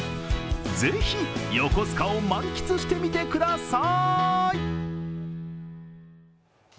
ぜひ、横須賀を満喫してみてください！